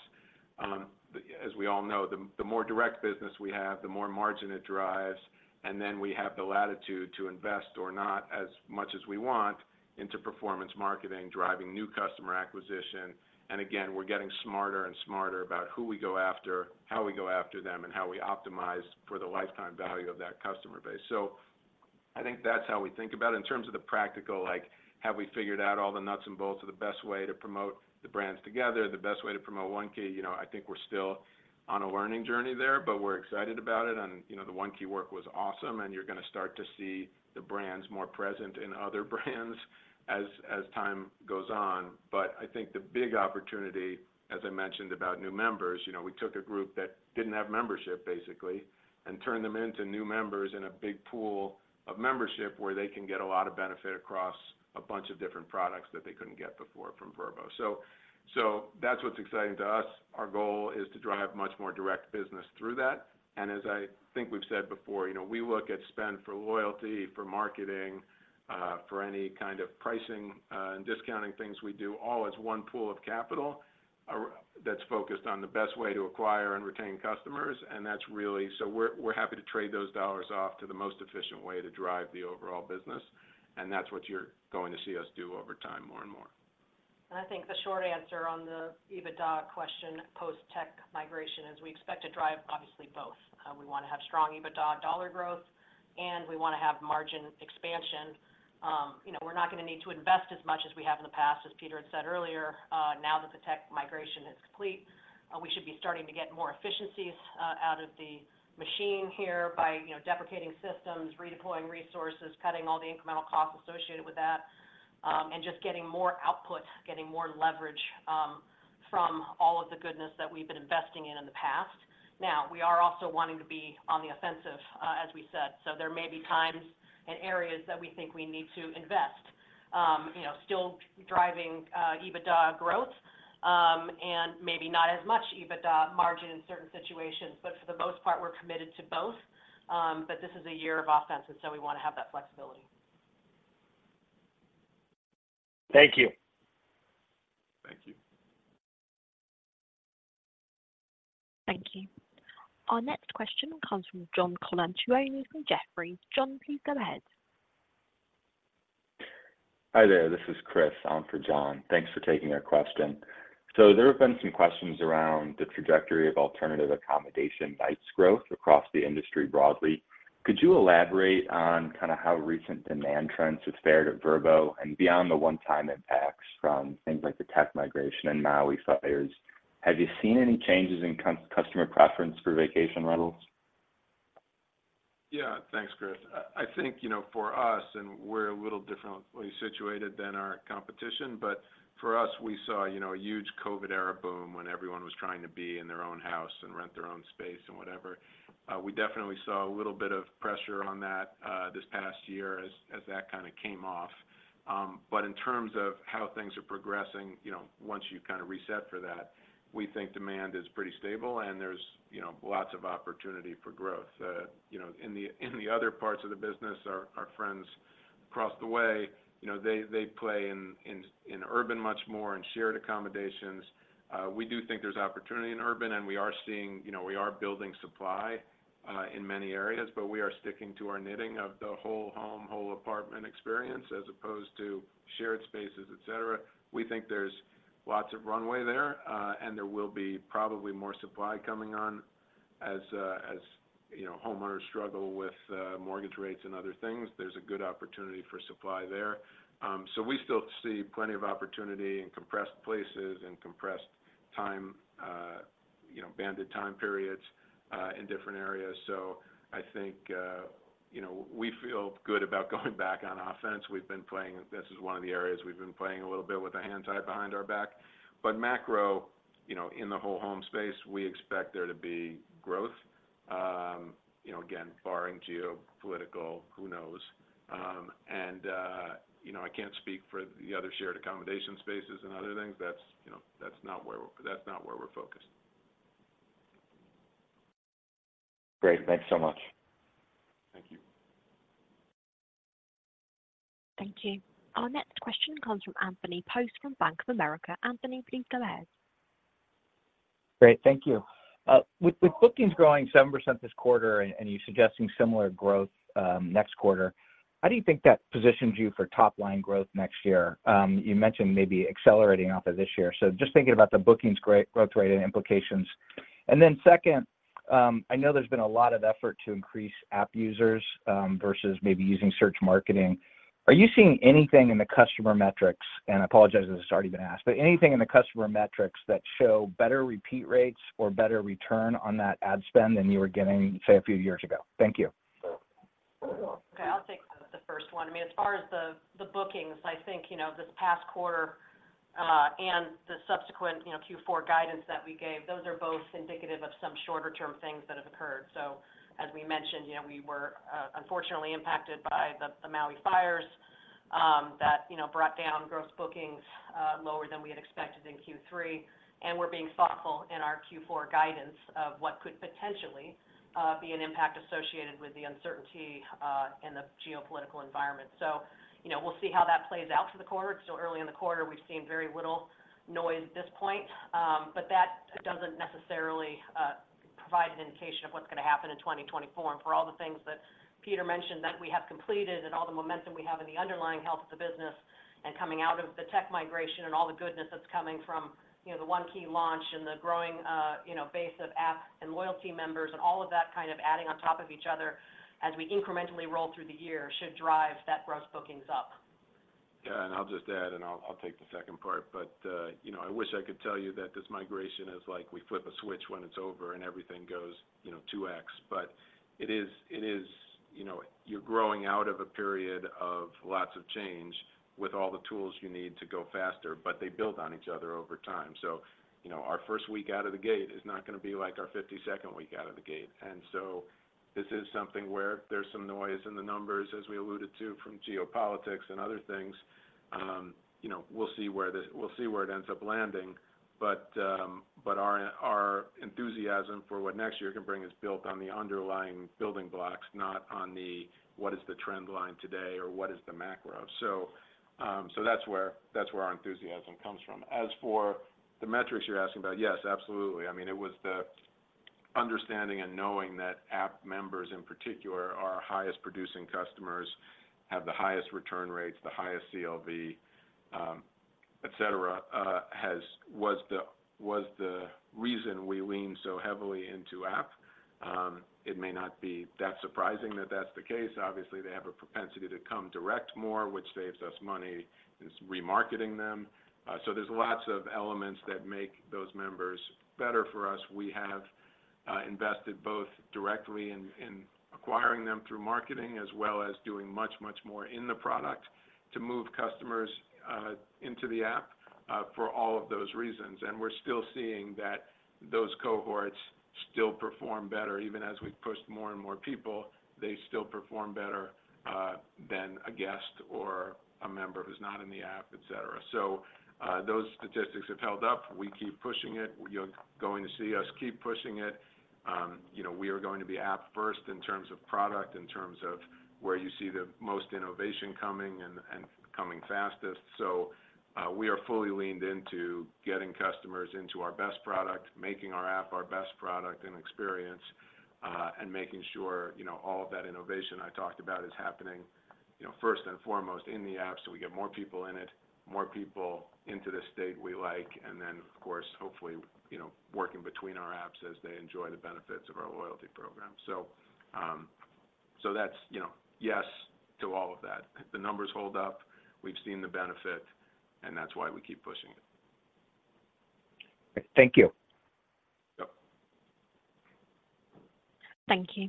S3: As we all know, the more direct business we have, the more margin it drives, and then we have the latitude to invest or not as much as we want into performance marketing, driving new customer acquisition. And again, we're getting smarter and smarter about who we go after, how we go after them, and how we optimize for the lifetime value of that customer base. So I think that's how we think about it. In terms of the practical, like, have we figured out all the nuts and bolts of the best way to promote the brands together, the best way to promote One Key? You know, I think we're still on a learning journey there, but we're excited about it. And, you know, the One Key work was awesome, and you're going to start to see the brands more present in other brands as, as time goes on. But I think the big opportunity, as I mentioned, about new members, you know, we took a group that didn't have membership, basically, and turned them into new members in a big pool of membership where they can get a lot of benefit across a bunch of different products that they couldn't get before from Vrbo. So, so that's what's exciting to us. Our goal is to drive much more direct business through that. As I think we've said before, you know, we look at spend for loyalty, for marketing, for any kind of pricing, and discounting things we do, all as one pool of capital, that's focused on the best way to acquire and retain customers. That's really so we're, we're happy to trade those dollars off to the most efficient way to drive the overall business, and that's what you're going to see us do over time, more and more.
S4: I think the short answer on the EBITDA question, post-tech migration, is we expect to drive obviously both. We want to have strong EBITDA dollar growth, and we want to have margin expansion. You know, we're not going to need to invest as much as we have in the past, as Peter had said earlier. Now that the tech migration is complete, we should be starting to get more efficiencies out of the machine here by, you know, deprecating systems, redeploying resources, cutting all the incremental costs associated with that, and just getting more output, getting more leverage from all of the goodness that we've been investing in in the past. Now, we are also wanting to be on the offensive, as we said. So there may be times and areas that we think we need to invest, you know, still driving, EBITDA growth, and maybe not as much EBITDA margin in certain situations, but for the most part, we're committed to both. But this is a year of offense, and so we want to have that flexibility.
S9: Thank you.
S3: Thank you.
S1: Thank you. Our next question comes from John Colantuoni from Jefferies. John, please go ahead.
S10: Hi, there. This is Chris on for John. Thanks for taking our question. So there have been some questions around the trajectory of alternative accommodation nights growth across the industry broadly. Could you elaborate on kind of how recent demand trends have fared at Vrbo and beyond the one-time impacts from things like the tech migration and Maui fires? Have you seen any changes in customer preference for vacation rentals?
S3: Yeah. Thanks, Chris. I think, you know, for us, and we're a little differently situated than our competition, but for us, we saw, you know, a huge COVID-era boom when everyone was trying to be in their own house and rent their own space and whatever. We definitely saw a little bit of pressure on that this past year as that kind of came off. But in terms of how things are progressing, you know, once you kind of reset for that, we think demand is pretty stable and there's, you know, lots of opportunity for growth. You know, in the other parts of the business, our friends across the way, you know, they play in urban much more and shared accommodations. We do think there's opportunity in urban, and we are seeing you know, we are building supply in many areas, but we are sticking to our knitting of the whole home, whole apartment experience, as opposed to shared spaces, et cetera. We think there's lots of runway there, and there will be probably more supply coming on as you know, homeowners struggle with mortgage rates and other things. There's a good opportunity for supply there. So we still see plenty of opportunity in compressed places and compressed time you know, banded time periods in different areas. So I think you know, we feel good about going back on offense. We've been playing. This is one of the areas we've been playing a little bit with our hands tied behind our back. Macro, you know, in the whole home space, we expect there to be growth, again, barring geopolitical, who knows? You know, I can't speak for the other shared accommodation spaces and other things. That's, you know, that's not where, that's not where we're focused....
S10: Great. Thanks so much.
S3: Thank you.
S1: Thank you. Our next question comes from Anthony Post from Bank of America. Anthony, please go ahead.
S11: Great. Thank you. With bookings growing 7% this quarter and you suggesting similar growth next quarter, how do you think that positions you for top-line growth next year? You mentioned maybe accelerating off of this year. So just thinking about the bookings great growth rate and implications. And then second, I know there's been a lot of effort to increase app users versus maybe using search marketing. Are you seeing anything in the customer metrics? And I apologize if this has already been asked, but anything in the customer metrics that show better repeat rates or better return on that ad spend than you were getting, say, a few years ago? Thank you.
S4: Okay. I'll take the first one. I mean, as far as the bookings, I think, you know, this past quarter and the subsequent, you know, Q4 guidance that we gave, those are both indicative of some shorter-term things that have occurred. So as we mentioned, you know, we were unfortunately impacted by the Maui fires that, you know, brought down gross bookings lower than we had expected in Q3. And we're being thoughtful in our Q4 guidance of what could potentially be an impact associated with the uncertainty in the geopolitical environment. So, you know, we'll see how that plays out for the quarter. It's still early in the quarter. We've seen very little noise at this point, but that doesn't necessarily provide an indication of what's gonna happen in 2024. For all the things that Peter mentioned that we have completed and all the momentum we have in the underlying health of the business and coming out of the tech migration and all the goodness that's coming from, you know, the One Key launch and the growing, you know, base of app and loyalty members and all of that kind of adding on top of each other as we incrementally roll through the year, should drive that gross bookings up.
S3: Yeah, and I'll just add, I'll take the second part. But, you know, I wish I could tell you that this migration is like we flip a switch when it's over and everything goes, you know, 2x. But it is, it is, you know, you're growing out of a period of lots of change with all the tools you need to go faster, but they build on each other over time. So, you know, our first week out of the gate is not gonna be like our 52nd week out of the gate. And so this is something where there's some noise in the numbers, as we alluded to, from geopolitics and other things. You know, we'll see where this, we'll see where it ends up landing. But our enthusiasm for what next year can bring is built on the underlying building blocks, not on the, what is the trend line today or what is the macro? So that's where our enthusiasm comes from. As for the metrics you're asking about, yes, absolutely. I mean, it was the understanding and knowing that app members, in particular, our highest producing customers, have the highest return rates, the highest CLV, et cetera, was the reason we lean so heavily into app. It may not be that surprising that that's the case. Obviously, they have a propensity to come direct more, which saves us money in remarketing them. So there's lots of elements that make those members better for us. We have invested both directly in acquiring them through marketing, as well as doing much, much more in the product to move customers into the app for all of those reasons. And we're still seeing that those cohorts still perform better. Even as we've pushed more and more people, they still perform better than a guest or a member who's not in the app, et cetera. So those statistics have held up. We keep pushing it. You're going to see us keep pushing it. You know, we are going to be app first in terms of product, in terms of where you see the most innovation coming and coming fastest. So, we are fully leaned into getting customers into our best product, making our app our best product and experience, and making sure, you know, all of that innovation I talked about is happening, you know, first and foremost in the app. So we get more people in it, more people into the state we like, and then, of course, hopefully, you know, working between our apps as they enjoy the benefits of our loyalty program. So, so that's, you know, yes to all of that. The numbers hold up, we've seen the benefit, and that's why we keep pushing it.
S11: Thank you.
S3: Yep.
S1: Thank you.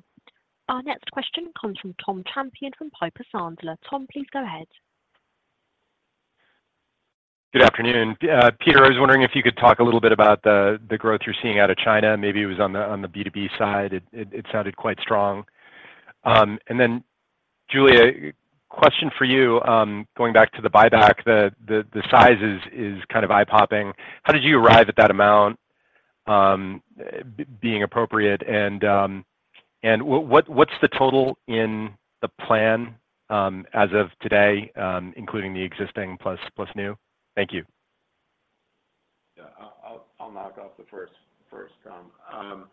S1: Our next question comes from Tom Champion from Piper Sandler. Tom, please go ahead.
S12: Good afternoon. Peter, I was wondering if you could talk a little bit about the growth you're seeing out of China. Maybe it was on the B2B side. It sounded quite strong. And then, Julie, question for you. Going back to the buyback, the size is kind of eye-popping. How did you arrive at that amount being appropriate? And what’s the total in the plan as of today, including the existing plus new? Thank you.
S3: Yeah. I'll knock off the first, Tom.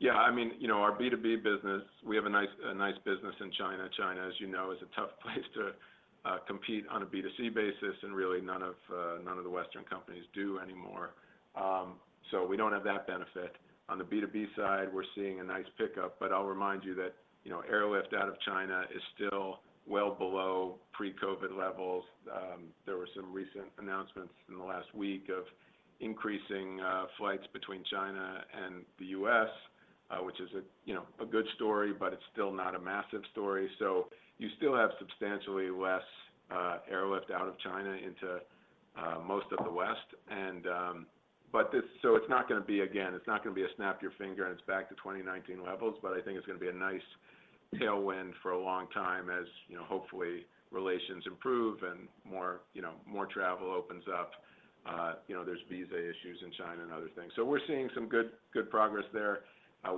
S3: Yeah, I mean, you know, our B2B business, we have a nice business in China. China, as you know, is a tough place to compete on a B2C basis, and really none of the Western companies do anymore. So we don't have that benefit. On the B2B side, we're seeing a nice pickup, but I'll remind you that, you know, airlift out of China is still well below pre-COVID levels. There were some recent announcements in the last week of increasing flights between China and the U.S., which is a good story, but it's still not a massive story. So you still have substantially less airlift out of China into most of the West. But this—so it's not gonna be, again, it's not gonna be a snap your finger and it's back to 2019 levels, but I think it's gonna be a nice tailwind for a long time, as, you know, hopefully, relations improve and more, you know, more travel opens up. You know, there's visa issues in China and other things. So we're seeing some good, good progress there.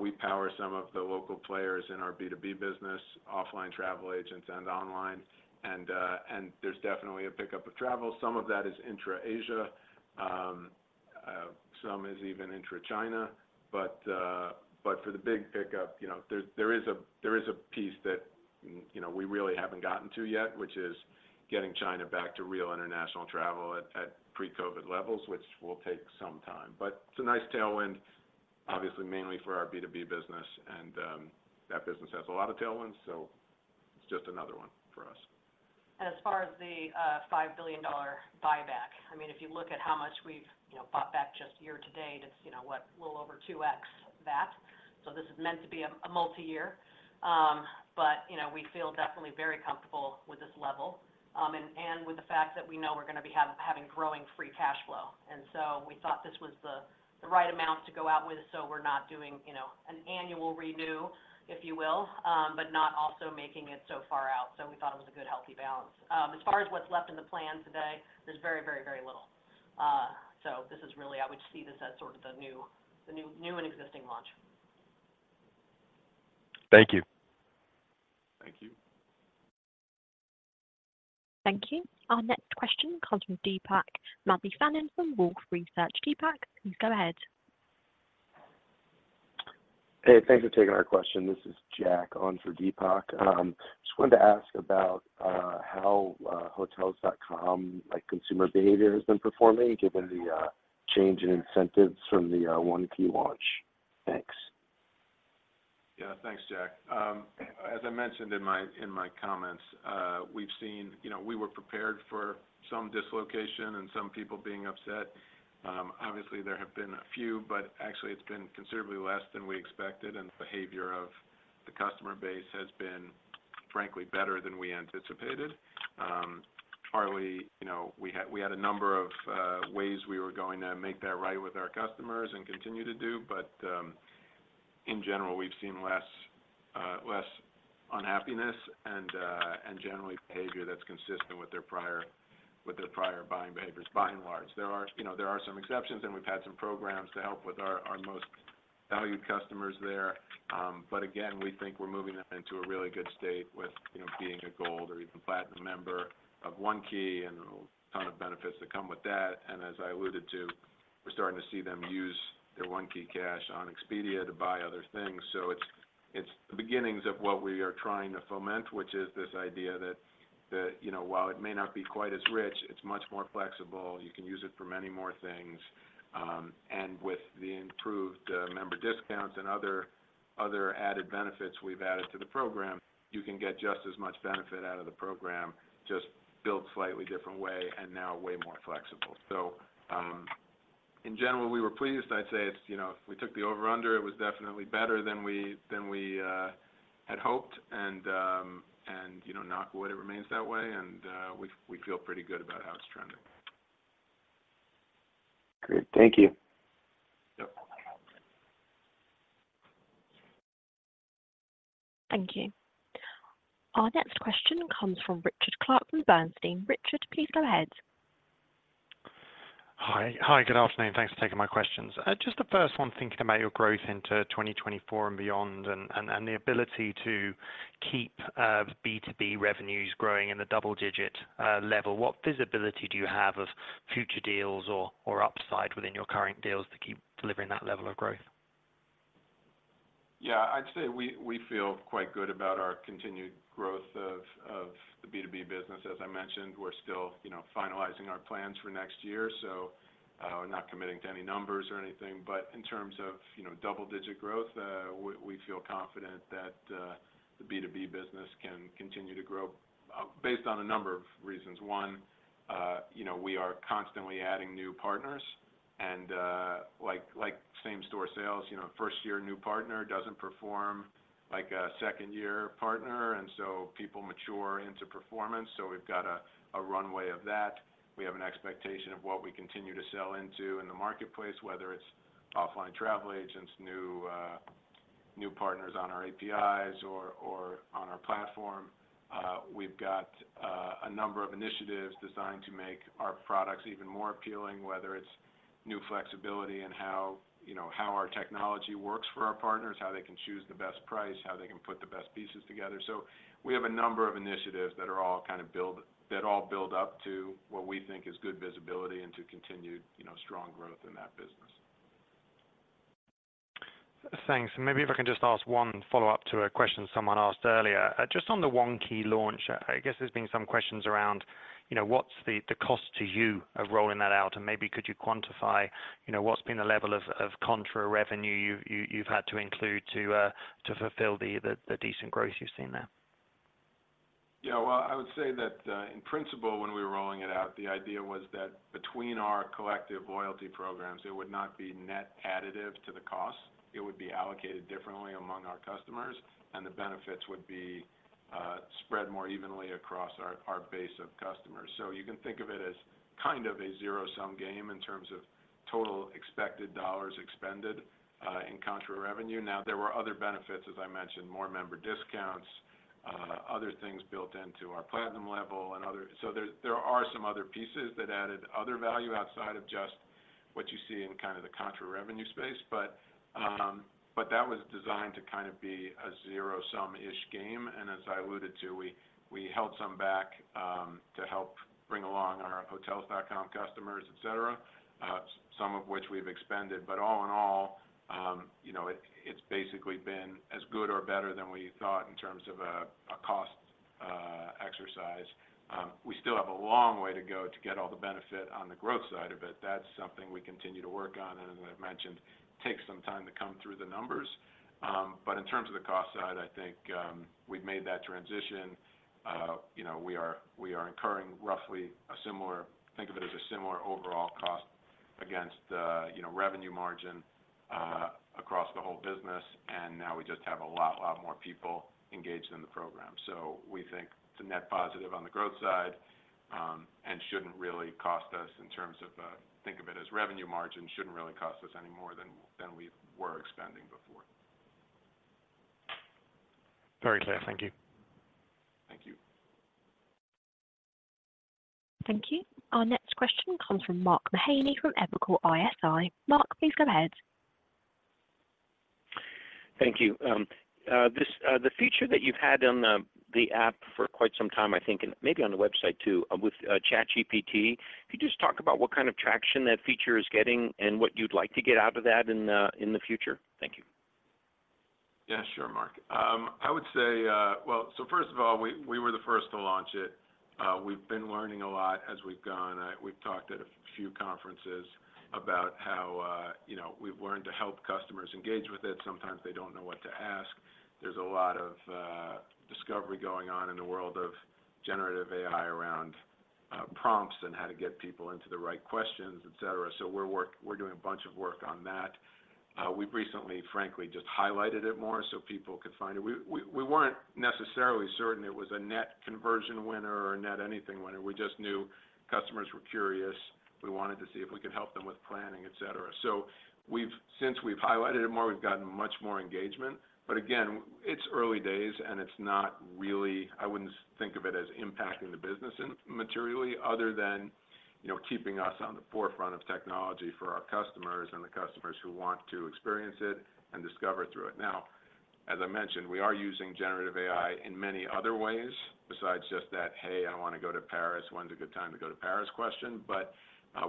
S3: We power some of the local players in our B2B business, offline travel agents and online, and, and there's definitely a pickup of travel. Some of that is intra-Asia, some is even intra-China, but for the big pickup, you know, there is a piece that, you know, we really haven't gotten to yet, which is getting China back to real international travel at pre-COVID levels, which will take some time. But it's a nice tailwind, obviously, mainly for our B2B business, and that business has a lot of tailwinds, so it's just another one for us.
S4: As far as the $5 billion buyback, I mean, if you look at how much we've, you know, bought back just year to date, it's, you know what? A little over 2x that. So this is meant to be a multiyear, but, you know, we feel definitely very comfortable with this level, and, and with the fact that we know we're gonna be having growing free cash flow. And so we thought this was the right amount to go out with, so we're not doing, you know, an annual renew, if you will, but not also making it so far out. So we thought it was a good, healthy balance. As far as what's left in the plan today, there's very, very, very little. So this is really. I would see this as sort of the new, new and existing launch.
S12: Thank you.
S3: Thank you.
S1: Thank you. Our next question comes from Deepak Mathivanan from Wolfe Research. Deepak, please go ahead.
S13: Hey, thanks for taking our question. This is Zack on for Deepak. Just wanted to ask about how Hotels.com, like, consumer behavior has been performing, given the change in incentives from the One Key launch. Thanks.
S3: Yeah, thanks, Zack. As I mentioned in my comments, we've seen—you know, we were prepared for some dislocation and some people being upset. Obviously, there have been a few, but actually, it's been considerably less than we expected, and the behavior of the customer base has been, frankly, better than we anticipated. Partly, you know, we had a number of ways we were going to make that right with our customers and continue to do, but in general, we've seen less unhappiness and generally behavior that's consistent with their prior buying behaviors, by and large. There are, you know, some exceptions, and we've had some programs to help with our most valued customers there. But again, we think we're moving into a really good state with, you know, being a gold or even platinum member of One Key, and a ton of benefits that come with that. And as I alluded to, we're starting to see them use their OneKeyCash on Expedia to buy other things. So it's, it's the beginnings of what we are trying to foment, which is this idea that, that, you know, while it may not be quite as rich, it's much more flexible. You can use it for many more things, and with the improved member discounts and other, other added benefits we've added to the program, you can get just as much benefit out of the program, just built slightly different way and now way more flexible. So, in general, we were pleased. I'd say it's, you know, if we took the over under, it was definitely better than we had hoped, and, and, you know, knock wood, it remains that way, and we feel pretty good about how it's trending.
S13: Great. Thank you.
S3: Yep.
S1: Thank you. Our next question comes from Richard Clarke from Bernstein. Richard, please go ahead.
S14: Hi. Hi, good afternoon, thanks for taking my questions. Just the first one, thinking about your growth into 2024 and beyond, and the ability to keep B2B revenues growing in the double-digit level. What visibility do you have of future deals or upside within your current deals to keep delivering that level of growth?
S3: Yeah, I'd say we feel quite good about our continued growth of the B2B business. As I mentioned, we're still, you know, finalizing our plans for next year, so we're not committing to any numbers or anything. But in terms of, you know, double digit growth, we feel confident that the B2B business can continue to grow based on a number of reasons. One, you know, we are constantly adding new partners, and, like same-store sales, you know, first year, new partner doesn't perform like a second-year partner, and so people mature into performance, so we've got a runway of that. We have an expectation of what we continue to sell into in the marketplace, whether it's offline travel agents, new partners on our APIs or on our platform. We've got a number of initiatives designed to make our products even more appealing, whether it's new flexibility in how, you know, how our technology works for our partners, how they can choose the best price, how they can put the best pieces together. So we have a number of initiatives that all build up to what we think is good visibility and to continued, you know, strong growth in that business.
S14: Thanks. Maybe if I can just ask one follow-up to a question someone asked earlier. Just on the One Key launch, I guess there's been some questions around, you know, what's the cost to you of rolling that out? And maybe could you quantify, you know, what's been the level of contra revenue you've had to include to fulfill the decent growth you've seen there?
S3: Yeah, well, I would say that, in principle, when we were rolling it out, the idea was that between our collective loyalty programs, it would not be net additive to the cost. It would be allocated differently among our customers, and the benefits would be spread more evenly across our base of customers. So you can think of it as kind of a zero-sum game in terms of total expected dollars expended in contra revenue. Now, there were other benefits, as I mentioned, more member discounts, other things built into our platinum level and other. So there are some other pieces that added other value outside of just what you see in kind of the contra revenue space. But that was designed to kind of be a zero-sum-ish game. And as I alluded to, we held some back to help bring along our Hotels.com customers, et cetera, some of which we've expended. But all in all, you know, it's basically been as good or better than we thought in terms of a cost exercise. We still have a long way to go to get all the benefit on the growth side of it. That's something we continue to work on, and as I've mentioned, takes some time to come through the numbers. But in terms of the cost side, I think we've made that transition. You know, we are incurring roughly a similar—think of it as a similar overall cost against, you know, revenue margin across the whole business, and now we just have a lot more people engaged in the program. So we think it's a net positive on the growth side, and shouldn't really cost us in terms of, think of it as revenue margin, shouldn't really cost us any more than we were expending before.
S14: Very clear. Thank you.
S3: Thank you.
S1: Thank you. Our next question comes from Mark Mahaney, from Evercore ISI. Mark, please go ahead.
S15: Thank you. The feature that you've had on the app for quite some time, I think, and maybe on the website too, with ChatGPT, could you just talk about what kind of traction that feature is getting and what you'd like to get out of that in the future? Thank you.
S3: Yeah, sure, Mark. Well, so first of all, we were the first to launch it. We've been learning a lot as we've gone. We've talked at a few conferences about how, you know, we've learned to help customers engage with it. Sometimes they don't know what to ask. There's a lot of discovery going on in the world of generative AI around prompts and how to get people into the right questions, et cetera. So we're doing a bunch of work on that. We've recently, frankly, just highlighted it more so people could find it. We weren't necessarily certain it was a net conversion winner or a net anything winner. We just knew customers were curious. We wanted to see if we could help them with planning, et cetera. So, since we've highlighted it more, we've gotten much more engagement. But again, it's early days, and it's not really, I wouldn't think of it as impacting the business in materially other than, you know, keeping us on the forefront of technology for our customers and the customers who want to experience it and discover through it. Now, as I mentioned, we are using generative AI in many other ways besides just that, "Hey, I want to go to Paris. When's a good time to go to Paris?" Question. But,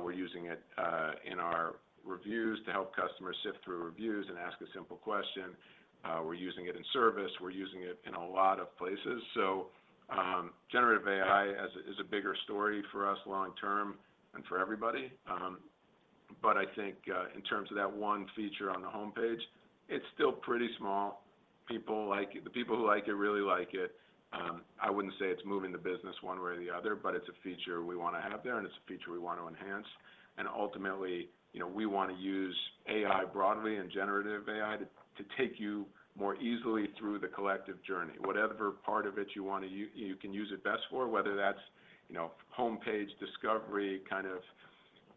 S3: we're using it in our reviews to help customers sift through reviews and ask a simple question. We're using it in service, we're using it in a lot of places. So, generative AI as a, is a bigger story for us long term and for everybody. But I think, in terms of that one feature on the homepage, it's still pretty small. People like it, the people who like it, really like it. I wouldn't say it's moving the business one way or the other, but it's a feature we want to have there, and it's a feature we want to enhance. And ultimately, you know, we want to use AI broadly and generative AI to take you more easily through the collective journey. Whatever part of it you want to, you can use it best for, whether that's, you know, homepage discovery, kind of,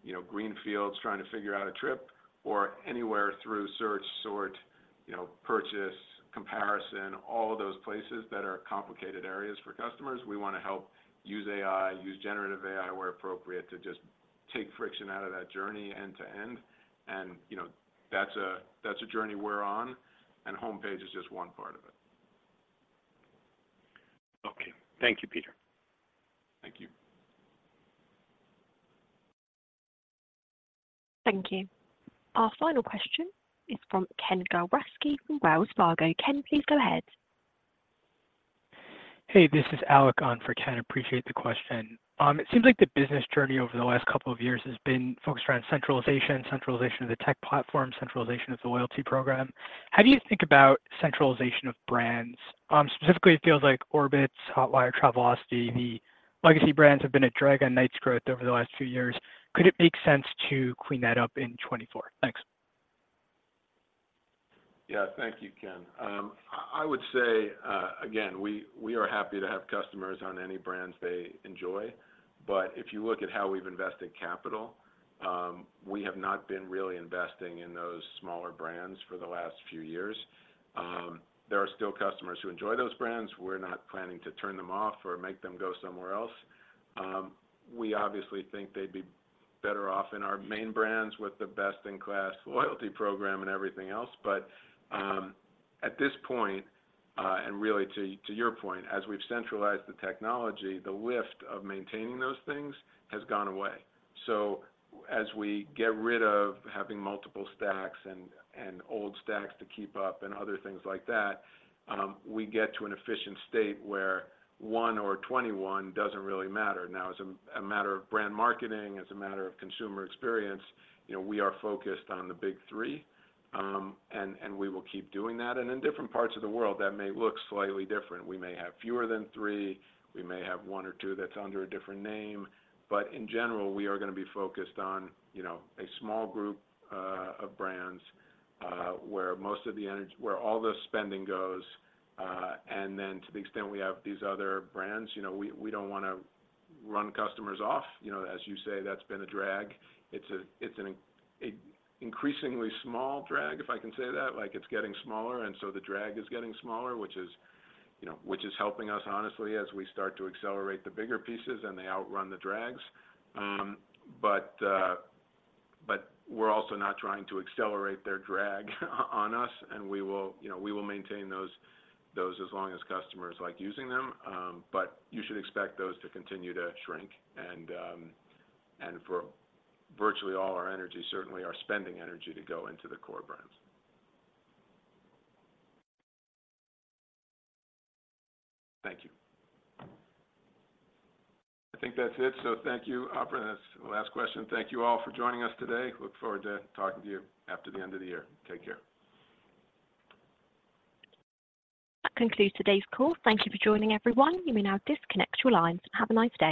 S3: you know, greenfields, trying to figure out a trip or anywhere through search, sort, you know, purchase, comparison, all of those places that are complicated areas for customers, we want to help use AI, use generative AI, where appropriate, to just take friction out of that journey end to end. And, you know, that's a, that's a journey we're on, and homepage is just one part of it.
S15: Okay. Thank you, Peter.
S3: Thank you.
S1: Thank you. Our final question is from Ken Gawrelski from Wells Fargo. Ken, please go ahead.
S16: Hey, this is Alec on for Ken. Appreciate the question. It seems like the business journey over the last couple of years has been focused around centralization, centralization of the tech platform, centralization of the loyalty program. How do you think about centralization of brands? Specifically, it feels like Orbitz, Hotwire, Travelocity, the legacy brands have been a drag on Knight's growth over the last few years. Could it make sense to clean that up in 2024? Thanks.
S3: Yeah, thank you, Ken. I would say, again, we are happy to have customers on any brands they enjoy, but if you look at how we've invested capital, we have not been really investing in those smaller brands for the last few years. There are still customers who enjoy those brands. We're not planning to turn them off or make them go somewhere else. We obviously think they'd be better off in our main brands with the best-in-class loyalty program and everything else. But, at this point, and really to your point, as we've centralized the technology, the lift of maintaining those things has gone away. So as we get rid of having multiple stacks and old stacks to keep up and other things like that, we get to an efficient state where one or 21 doesn't really matter. Now, as a matter of brand marketing, as a matter of consumer experience, you know, we are focused on the big three, and we will keep doing that. And in different parts of the world, that may look slightly different. We may have fewer than three, we may have one or two that's under a different name. But in general, we are gonna be focused on, you know, a small group of brands, where most of the energy, where all the spending goes. And then to the extent we have these other brands, you know, we don't want to run customers off. You know, as you say, that's been a drag. It's an increasingly small drag, if I can say that. Like, it's getting smaller, and so the drag is getting smaller, which is, you know, which is helping us honestly, as we start to accelerate the bigger pieces, and they outrun the drags. But we're also not trying to accelerate their drag on us, and we will, you know, we will maintain those, those as long as customers like using them. But you should expect those to continue to shrink and for virtually all our energy, certainly our spending energy, to go into the core brands.
S16: Thank you.
S3: I think that's it, so thank you. That's the last question. Thank you all for joining us today. Look forward to talking to you after the end of the year. Take care.
S1: That concludes today's call. Thank you for joining, everyone. You may now disconnect your lines. Have a nice day.